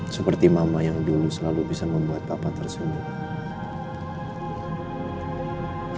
seperti mama yang dulu selalu bisa membuat papa tersenyum